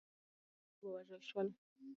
په دې جګړه کې میلیونونو خلک ووژل شول.